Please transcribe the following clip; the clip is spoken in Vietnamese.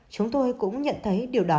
chúng tôi cũng nhận thấy điều đó